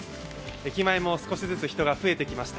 駅前も少しずつ人が増えてきいました。